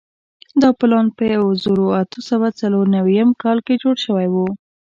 دا پلان په یوه زرو اتو سوو څلور نوېم کال کې جوړ شوی وو.